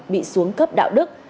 bị xuống cấp đạo đức